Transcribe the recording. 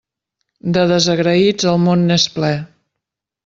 De desagraïts el món n'és ple.